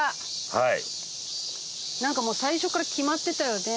はい。